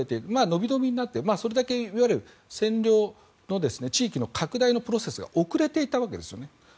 延び延びになってそれだけ、いわゆる占領の地域の拡大のプロセスが遅れていたわけですね。